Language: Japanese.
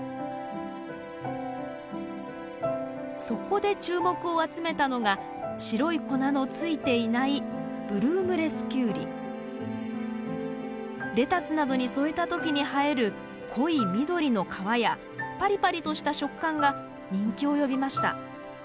そこで注目を集めたのが白い粉の付いていないレタスなどに添えた時に映える濃い緑の皮やパリパリとした食感が人気を呼びました。